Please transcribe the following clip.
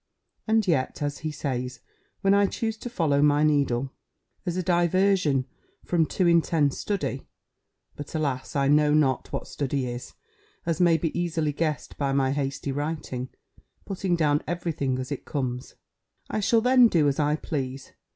And yet, as he says, when I choose to follow my needle, as a diversion from too intense study, (but, alas! I know not what study is, as may be easily guessed by my hasty writing, putting down every thing as it comes) I shall then do as I please.